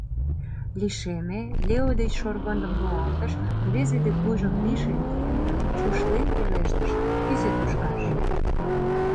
Лишеме, Лео деч шорвондым руалтыш, рвезе дек вуйжым лишемден, чушлен пелештыш: «Кӱзӧ тошкаш!»